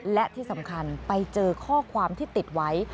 และที่สำคัญไปเจอข้อความที่ติดไว้